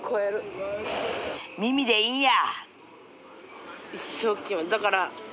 耳でいいんや！